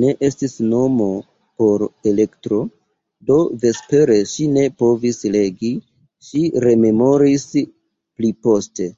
Ne estis mono por elektro, do vespere ŝi ne povis legi, ŝi rememoris pliposte.